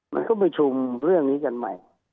มันก็ประชุมเรื่องนี้กันใหม่